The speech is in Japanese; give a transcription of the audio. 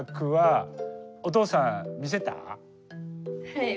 はい。